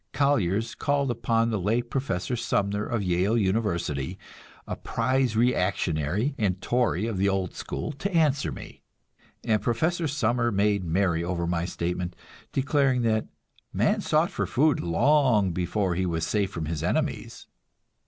"Collier's" called upon the late Professor Sumner of Yale University, a prize reactionary and Tory of the old school, to answer me; and Professor Sumner made merry over my statement, declaring that man sought for food long before he was safe from his enemies.